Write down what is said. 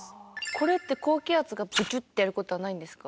これって高気圧がブチュってやることはないんですか？